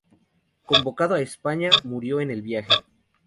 Convocado a España, murió en el viaje.